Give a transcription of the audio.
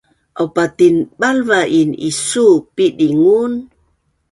aupa tinbalvain isuu piding un